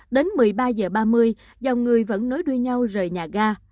đến một mươi ba h ba mươi dòng người vẫn nối đuôi nhau rời nhà ga